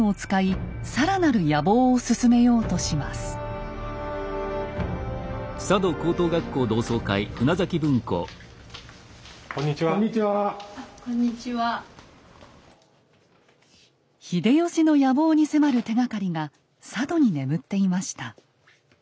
秀吉の野望に迫る手がかりが佐渡に眠っていました。